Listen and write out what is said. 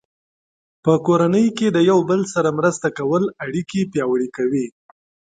په کورنۍ کې د یو بل سره مرسته کول اړیکې پیاوړې کوي.